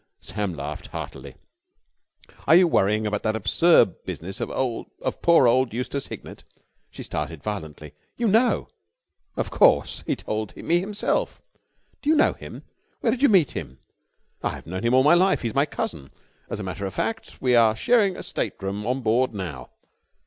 Sam laughed heartily. "Are you worrying about that absurd business of poor old Eustace Hignett?" She started violently. "You know!" "Of course! He told me himself." "Do you know him? Where did you meet him?" "I've known him all my life. He's my cousin. As a matter of fact, we are sharing a stateroom on board now."